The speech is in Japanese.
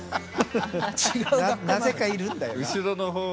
なぜかいるんだよな。